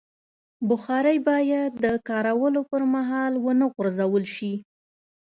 بخاري باید د کارولو پر مهال ونه غورځول شي.